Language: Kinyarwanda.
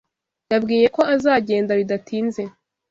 Yambwiye ko azagenda bidatinze.